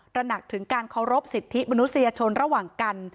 ระหนักถึงการเคารพสิทธิมนุษยชนระหว่างกัน